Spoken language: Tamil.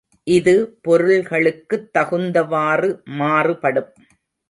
இது பொருள்களுக்குத் தகுந்தவாறு மாறுபடும்.